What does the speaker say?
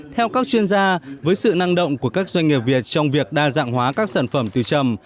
theo các chuyên gia với sự năng động của các doanh nghiệp việt trong việc đa dạng hóa các sản phẩm từ chầm